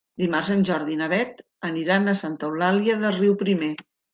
Dimarts en Jordi i na Beth aniran a Santa Eulàlia de Riuprimer.